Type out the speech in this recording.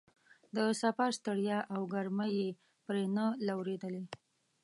د سفر ستړیا او ګرمۍ یې پرې نه لورېدلې.